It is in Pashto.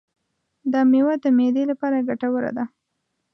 دا مېوه د معدې لپاره ګټوره ده.